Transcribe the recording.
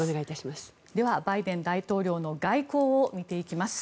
では、バイデン大統領の外交を見ていきます。